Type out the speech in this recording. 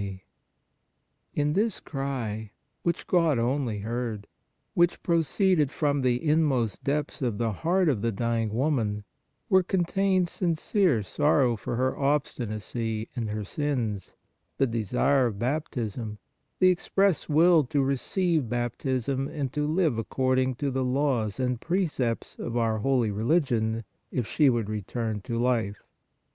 DO NOT DESPOND 121 " In this cry, which God only heard, which pro ceeded from the inmost depths of the heart of the dying woman, were contained sincere sorrow for her obstinacy and her sins, the desire of baptism, the express will to receive baptism and to live accord ing to the laws and precepts of our holy religion, if she would return to life.